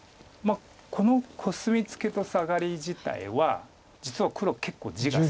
このコスミツケとサガリ自体は実は黒結構地が損なんです。